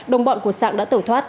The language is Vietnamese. đồng bọn của sạng đã tẩu thoát